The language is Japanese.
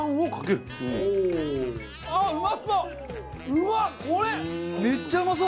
うわっこれ！